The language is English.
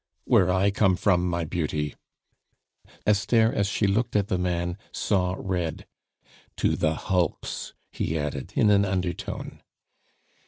"Where I come from, my beauty." Esther, as she looked at the man, saw red. "To the hulks," he added in an undertone.